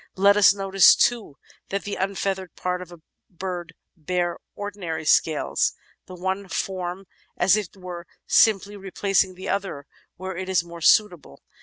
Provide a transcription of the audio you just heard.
Let us notice, too, that the unfeathered parts of a bird bear ordinary scales, the one form, as it were, simply replac Natural Histoiy 433 ing the other where it is more suitable.